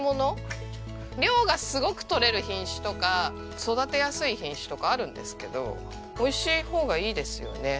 量がすごく取れる品種とか育てやすい品種とかあるんですけど美味しい方がいいですよね。